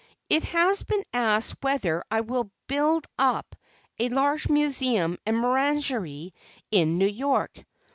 It has been asked whether I will build up a large museum and menagerie in New York.